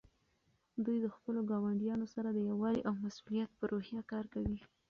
دوی د خپلو ګاونډیانو سره د یووالي او مسؤلیت په روحیه کار کوي.